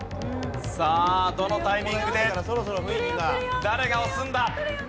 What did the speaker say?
さあどのタイミングで誰が押すんだ？